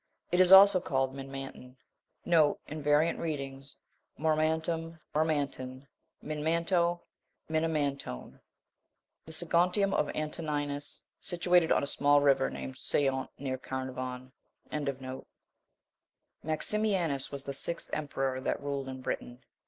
It is also called Minmanton.* * V.R. Mirmantum, Mirmantun, Minmanto, Minimantone. The Segontium of Antoninus, situated on a small river named Seiont, near Carnarvon. 26. Maximianus(1) was the sixth emperor that ruled in Britain.